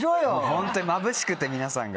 ホントにまぶしくて皆さんが。